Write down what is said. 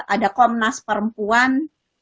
ada komnas perempuan